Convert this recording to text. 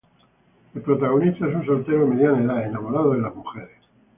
El protagonista es un soltero de mediana edad, enamorado de las mujeres.